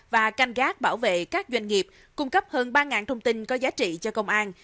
và canh gác bảo vệ các doanh nghiệp cung cấp hơn ba thông tin có giá trị cho công an